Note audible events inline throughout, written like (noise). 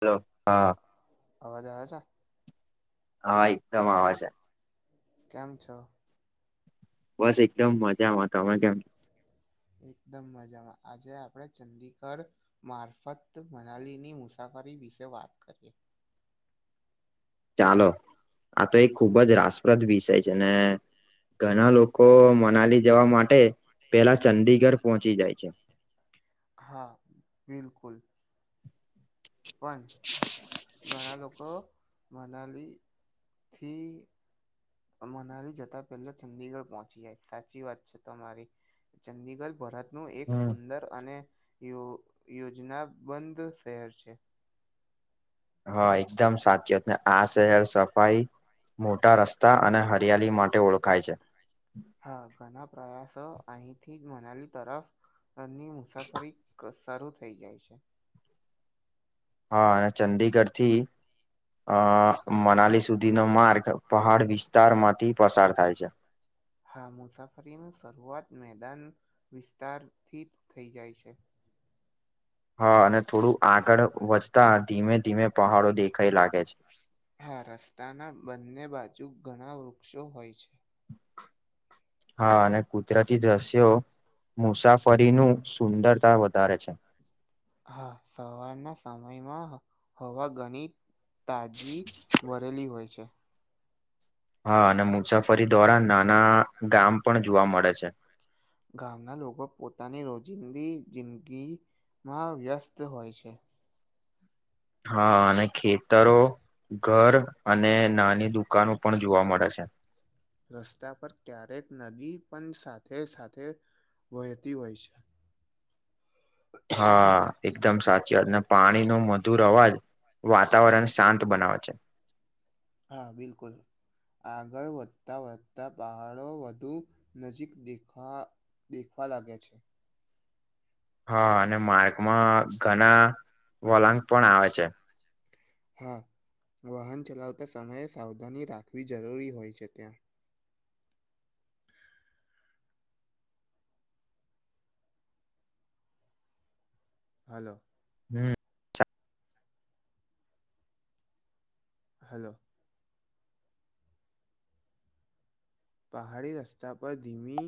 Hello હા અવાજ આવે છે હા એકદમ આવે છે કેમ છો બસ એકદમ મજામાં તમે કેમ એકદમ મજામાં આજે આપડે ચંદીગઢ મારફત મનાલી ની મુસાફરી વિશે વાત કરીએ ચાલો આ તો એક ખુબ જ રાસપ્રદ વિષય છે ને ઘણા લોકો મનાલી જવા માટે પેલા ચંડીગઢ પોહોંચી જાય છે હા બિલકુલ પણ ઘણા લોકો મનાલી થી મનાલી જતા પહેલા ચંંદડીગઢ પહોંચી જાય સાચી વાત છે તમારી ચંદીગઢ ભરત નું એક સુંદર અને યો યોજનાબંધ શહેર છે હા એકદમ સાચ આ શહેર સફાઈ મોટા રસ્તા અને હરિયાળ માટે ઓળખાય છે હા ઘણા પ્રયાસો અહીંથી જ મનાલી તરફ ની મુસાફરી સારું થઈ જાય છે હા અને ચંડીગઢ થી અ મનાલી સુધીનો માર્ગ પહાડ વિસ્તાર માંથી પસાર થાય છે. હા મુસાફરીનું શરૂઆત મેદાન વિસ્તારથી જ થઈ જાય છે હા અને થોડું આગળ વધતા ધીમે ધીમે પહાડો દેખાઈ લાગે છે હા રસ્તાના બંને બાજુ ઘણા વૃક્ષો હોય છે. હા અને કુદરતી દ્રશ્યો મુસાફરી ફરીનું સુંદરતા વધારે છે. હા સવારના સમયમાં હોવા ગણિત તાજી ભરેલી હોય છે હા અને મુસાફરી દ્વારા નાના ગામ પણ જોવા મળે છે. ગામના લોકો પોતાની રોજિંદી જિંદગીમાં વ્યસ્ત હોય છે. હા અને ખેતરો ઘર અને નાની દુકાનો પણ જોવા મળે છે. રસ્તા પર ક્યારેક નદી પણ સાથે સાથે વહેતી હોય છે. હા એકદમ સાચી વાતને પાણી નો મધુર અવાજ વાતાવરણ શાંત બનાવે છે હા બિલકુલ આગળ વધતાં વધતા પહાડો વધુ નજીક દેખા દેખવા લાગે છે હા અને માગૅમાં ઘણા વલાક પણ આવે છે હા વાહન ચલાવતા સમયે સાવધાની રાખવી જરૂરી હોય છે ત્યાં (unintelligible) હલો હમ હલો પહાડી રસ્તા પર ધીમી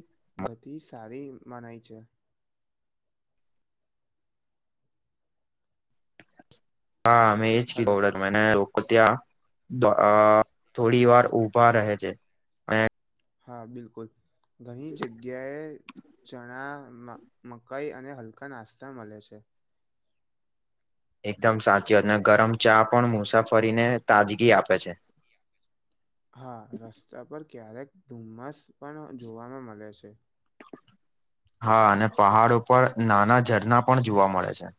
ગતિ સારી મનાય છે હા અમે એજ (unintelligible) હલો મ લોકો ત્યાં અ થોડી વાર ઉભા રહે છે. હા બિલકુલ ઘણી જગ્યાએ ચણામાં મકાઈ અને હલકા નાસ્તા મળે છે. એકદમ સાચી વાત ને ગરમ ચા પણ મુસાફરીને તાજગી આપે છે હા રસ્તા પર ક્યારેક ધુમ્મસ પણ જોવામાં મળે છે હા અને પહાડ ઉપર નાના ઝરણા પણ જોવા મળે છે.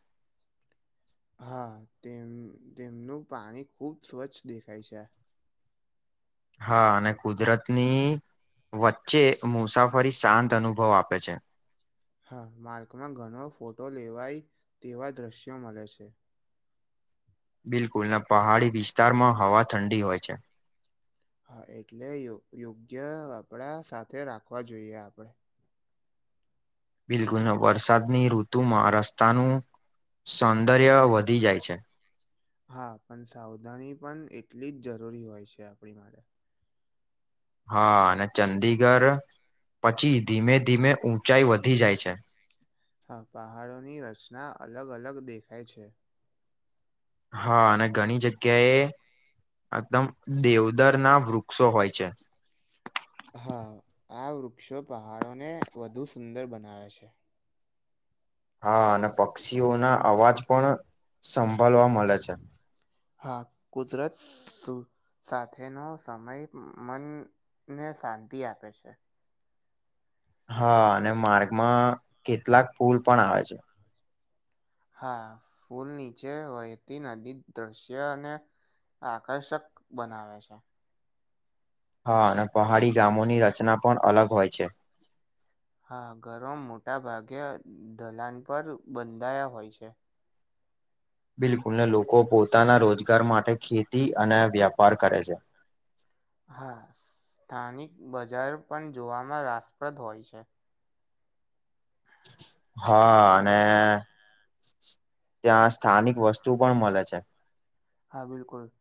હા તેમ તેમનું પાણી ખુબ સ્વચ્છ દેખાય છે. હા અને કુદરતની વચ્ચે મુસાફરી શાંત અનુભવ આપે છે. હા માર્કમાં ઘણો ફોટો લેવાય તેવા દ્રશ્યો મળે છે બિલકુલ પહાડી વિસ્તારમાં હવા ઠંડી હોય છે. હા એટલે યોગ્ય યોગ્ય આપડા સાથે રાખવા જોઈએ આપણેે બિલકુલ વરસાદની ઋતુમાં રસ્તાનું સૌંદર્ય વધી જાય છે હા પણ સાવધાની પણ એટલી જ જરૂરી હોય છે આપણી માટે હા અને ચંદીગઢ પછી ધીમે ધીમે ઊંચાઈ વધી જાય છે હા પહાડોની રચના અલગ અલગ દેખાય છે. હા અને ઘણી જગ્યાએ એકદમ દેવદર ના વૃક્ષો હોય છે. હા આ વૃક્ષો પહાડોને વધુ સુંદર બનાવે છે. હા અને પક્ષીઓ ના અવાજ પણ સંભળવા મળે છે હા કુદરત સુ. સાથેનો સમય મનને શાંતિ આપે છે. હા અને માર્ગમાં કેટલાક પુલ પણ આવે છે. હા ફૂલ નીચે વહેતી નદી દ્રશ્ય અને આકર્ષક બનાવે છે. હા અને પહાડી ગામોની રચના પણ અલગ હોય છે. હા ઘરો મોટા ભાગે ઢલાન પર બંધાયા હોય છે. બિલકુલ ને લોકો પોતાના રોજગાર માટે ખેતી અને વ્યાપાર કરે છે. હા સ્થાનિક બજાર પણ જોવામાં રાસપ્રદ હોય છે. હા અને ત્યાં સ્થાનિક વસ્તુ પણ મળે છે. હા બિલકુલ.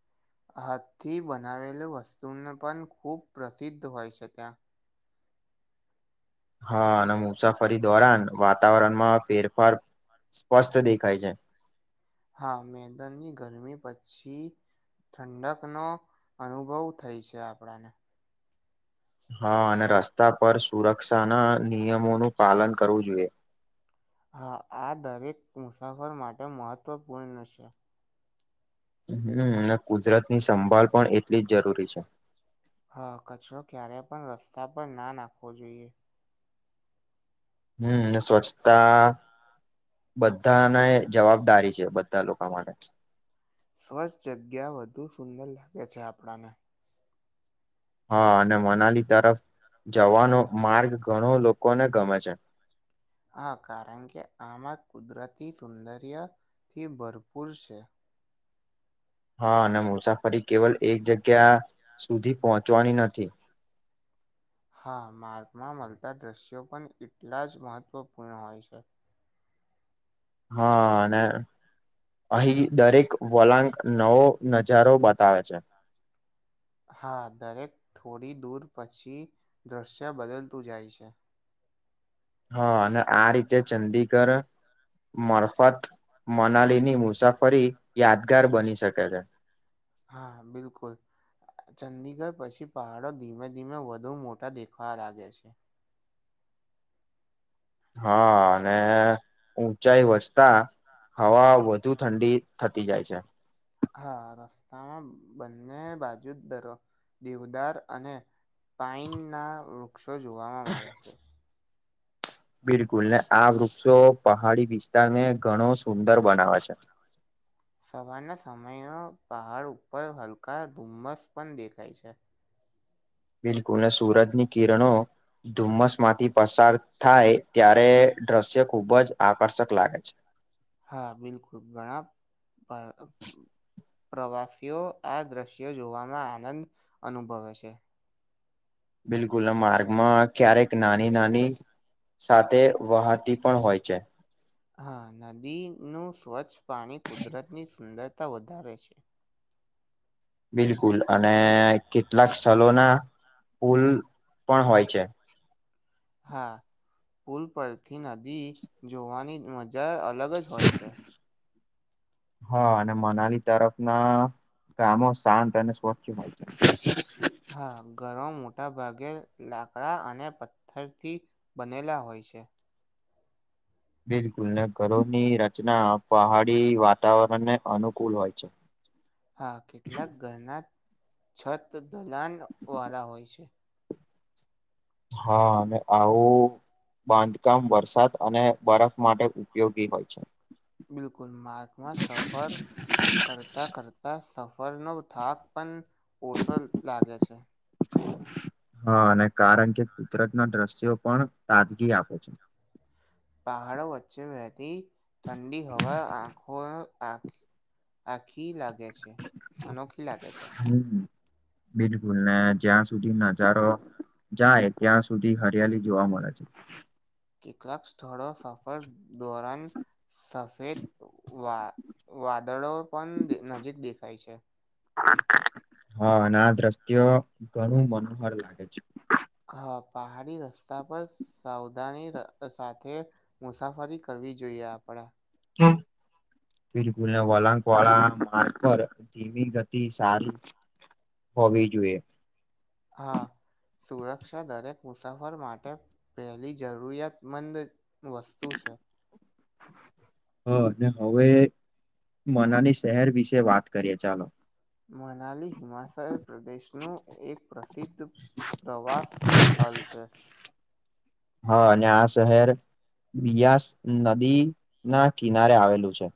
હાથથી બનાવેલુ વસ્તુને પણ ખૂબ પ્રસિદ્ધ હોય છે ત્યાં હા અને મુસાફરી દોરન વાતાવરણમાં ફેરફાર સ્પષ્ટ દેખાય છે. હા મેદાનની ગરમી પછી ઠંડકનો અનુભવ થઈ છે આપળા ને હા અને રસ્તા પર સુરક્ષા ના નિયમોનું પાલન કરવું જોઈએ. હા આ દરેક મુસાફર માટે મહત્વપૂર્ણ છે. હમ અને કુદરતની સંભાળ પણ એટલી જ જરૂરી છે. હા કચરો ક્યારે પણ રસ્તા પર ના નાખવો જોઈએ. હમ સ્વચ્છતા બધાને જવાબદારી છે. બધા લોકો માટે સ્વચ્છ જગ્યા વધુ સુંદર લાગે છે આપણાને હા અને મનાલી તરફ જવાનો માર્ગ ઘણો લોકોને ગમે છે. હા કારણ કે આમાં કુદરતી સૌદર્યથી ભરપૂર છે. હા અને મુસાફરી કેવલ એક જગ્યા સુધી પહોંચવાની નથી. હા માર્ગમાં મળતા દ્રશ્યો પણ એટલા જ મહત્ત્વપૂર્ણ હોય છે. હા અને અહીં દરેક વલાંક નવો નજારો બતાવે છે. હા દરેક થોડી દૂર પછી દૃશ્ય બદલતું જાય છે. હા અને આ રીતે ચંંદીગઢ મરફત મનાલી ની મુસાફરી યાદગાર બની શકે છે. હા બિલકુલ ચંદિગઢ પછી પહાડો ધીમે ધીમે વધુ મોટા દેખવા લાગે છે. હા અને ઊંચાઈ વસતા હવા વઘુ ઠંડી થતી જાય છે. હા રસ્તા બંને બાજુ દર દેવદાર અને પાઇન ના વૃક્ષો જોવાવામાં મળે છે. બિલકુલ ને આ વૃક્ષો પહાડી વિસ્તારને ઘણો સુંદર બનાવે છે. સવારના સમયનો પહાડ ઉપર હલકા ધુમ્મસ પણ દેખાય છે. બિલકુલને સુરજની કિરણો ધુમ્મસ માંથી પસાર થાય ત્યારે તે દ્રશ્ય ખુબ જ આકર્ષક લાગે છે. હા બિલકુલ ઘણા પર પ્રવાસીઓ આ દ્રશ્યો જોવામાં આનંદ અનુભવે છે. બિલકુલ માર્ગમાં ક્યારેક નાની નાની સાથે વહતી પણ હોય છે. હા નદીનું સ્વચ્છ પાણી કુદરતની સુંદરતા વધારે છે. બિલકુલ અને કેટલાક સ્થોળના પુલ પણ હોય છે. હા પુલ પરથી નદી જોવાની જા અલગ જ હોય છે. હા અને મનાલી તરફ ના ગામો શાંત અને સ્વચ્છ હોય છે. હા ઘરમાં મોટા ભાગે લાકડા અને પથ્થરથી બનેલા હોય છે બિલકુલ ને ઘરોની રચના પહાડી વાતાવરણ ને અનુકૂલ હોય છે હા કેટલાક ઘરના છત ધલાન વાળા હોય છે હા અને આવું બાંધકામ વરસાદ અને બરફ માટે ઉપયોગી હોય છે બિલકુલ માર્ગમાં સફર કરતાં કરતાં સફરનો થાક પણ ઓછો લાગે છે હા અને કારણ કે કુદરત ના દ્રશ્યો પણ તાજગી આપે છે પહાડો વચ્ચે વહેતી ઠંડી હવા આંખો આખ આખી લાગે છે અનોખી લાગે છે હમ બિલકુલ ને જ્યાં સુધી નજારો જાય ત્યાં સુધી હરિયાળી જોવા મળે છે કેટલાક સ્થળો સફર દોરાન સફેદ વા વાદળો પણ નજીક દેખાય છે હા અને આ દ્રશ્ય ઘણું મનોહર લાગે છે હા પહાડી રસ્તા પર સાવધાની સાથે મુસાફરી કરવી જોઈએ આપણે બિલકુલ વલાકવાળા માર પર ધીમી ગતિ સારી હોવી જોઈએ હા સુરક્ષા દરેક મુસાફર માટે પહેલી જરૂરિયાતમંદ વસ્તુ છે. હા હવે મનાની શહેર વિશે વાત કરીએ ચાલો. મનાલી હિમાચલ પ્રદેશનું એક પ્રસિદ્ધ પ્રવાસ સ્થલ છે. હા અને આ શહેર બીયાસ નદી ના કિનારે આવેલું છે.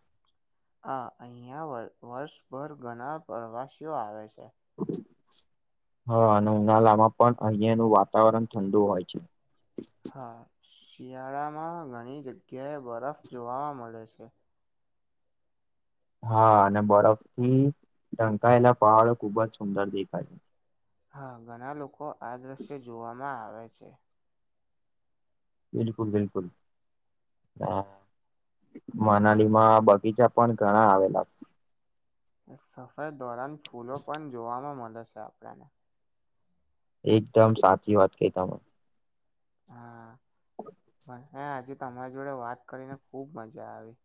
હા અહિયાં વર્ષભર ઘણા પ્રવાસીઓ આવે છે. હા અને ઉનાલામાં પણ અહિયાંનું વાતાવરણ ઠંડુ હોય છે. હા શિયાળામાં ઘણી જગ્યાએ બરફ જોવા મળે છે. હા અને બરફથી ઢંકાયેલા પહાડો ખુબ જ સુંદર દેખાય છે. હા ઘણા લોકો આ દ્રશ્ય જોવામાં આવે છે. બિલકુલ બિલકુલ હા મનાલી માં બગીચા પણ ઘણા આવેલા સફર દોરાન ફૂલો પણ જોવામાં મળે છે આપણને એકદમ સાચી વાત કઇ તમેં. હા હ મેં આજે તમારા જોડે વાત કરીને ખુબ મજા આવી.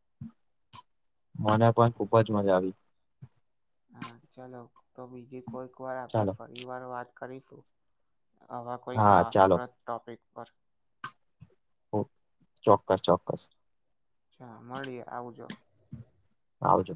મને પણ ખુબ જ મજા આવી. હા ચાલો તો બીજી કોઈક વાર આપણે ચાલો ફરી વાર વાત કરીશું. આવા કોઈક હા ચાલો રાસપ્રદ ટોપિક પર. ઓ ચોક્કસ ચોક્કસ ચ મળીએ આવજો. આવજો